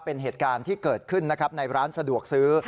เป็นเหตุการณ์ที่เกิดขึ้นนะครับในร้านสะดวกซื้อ